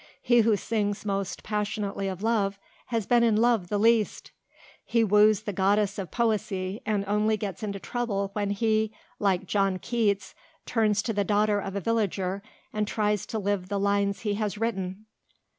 He who sings most passionately of love has been in love the least; he woos the goddess of poesy and only gets into trouble when he, like John Keats, turns to the daughter of a villager and tries to live the lines he has written."